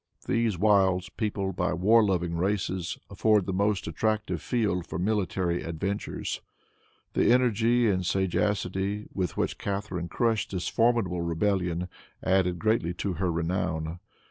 These wilds, peopled by war loving races, afford the most attractive field for military adventures. The energy and sagacity with which Catharine crushed this formidable rebellion added greatly to her renown.